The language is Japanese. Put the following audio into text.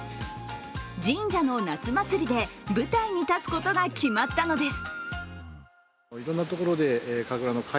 神社の夏祭りで舞台に立つことが決まったのです。